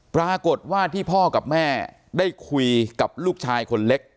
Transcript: ปรากฏว่าที่พ่อกับแม่ได้คุยกับลูกชายคนเล็ก